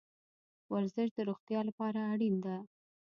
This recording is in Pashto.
ورزش د روغتیا لپاره اړین ده